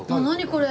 これ！